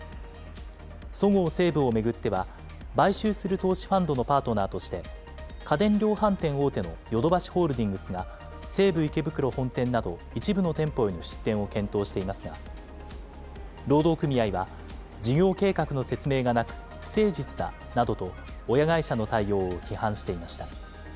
そごう・西武を巡っては、買収する投資ファンドのパートナーとして、家電量販店大手のヨドバシホールディングスが、西武池袋本店など一部の店舗への出店を検討していますが、労働組合は、事業計画の説明がなく、不誠実だなどと、親会社の対応を批判していました。